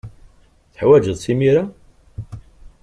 Teḥwajeḍ-tt imir-a?